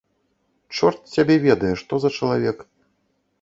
Чорт цябе ведае, што за чалавек.